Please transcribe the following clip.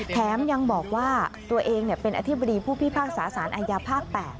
แถมยังบอกว่าตัวเองเป็นอธิบดีผู้พิพากษาสารอาญาภาค๘